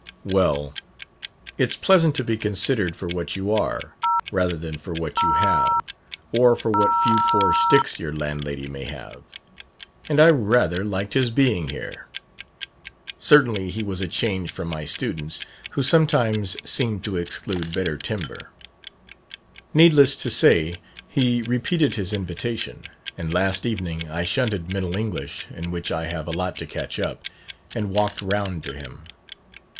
Well, it's pleasant to be considered for what you are rather than for what you have (or for what few poor sticks your landlady may have); and I rather liked his being here. Certainly he was a change from my students, who sometimes seem to exclude better timber. "Needless to say, he repeated his invitation, and last evening I shunted Middle English (in which I have a lot to catch up) and walked round to him.